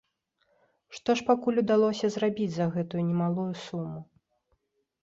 Што ж пакуль удалося зрабіць за гэтую немалую суму?